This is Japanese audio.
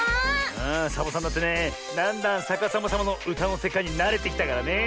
ああサボさんだってねだんだんさかさまさまのうたのせかいになれてきたからね。